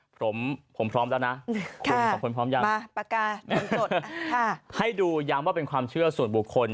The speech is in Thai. ผมผมพร้อมแล้วนะคุณสองคนพร้อมยังมาปากกาให้ดูย้ำว่าเป็นความเชื่อส่วนบุคคล